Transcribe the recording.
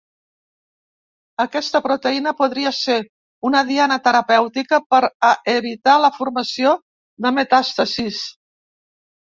Aquesta proteïna podria ser una diana terapèutica per a evitar la formació de metàstasis.